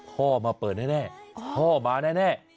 พ่อมาเปิดแน่พ่อมาแน่